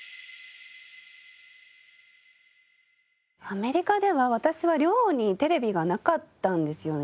アメリカでは私は寮にテレビがなかったんですよね。